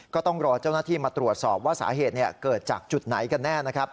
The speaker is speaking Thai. ก็ต้องรอเจ้าหน้าที่มาตรวจสอบว่าสาเหตุเกิดจากจุดไหนกันแน่นะครับ